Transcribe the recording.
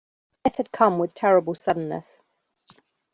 Death had come with terrible suddenness.